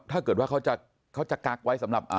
ถ้าเกิดว่าเขาจะกักไว้สำหรับ